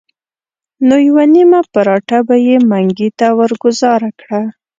نو یوه نیمه پراټه به یې منګي ته ورګوزاره کړه.